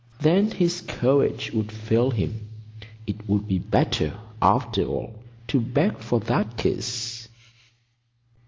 Then his courage would fail him. It would be better, after all, to beg for that kiss.